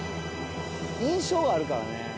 印象あるからね。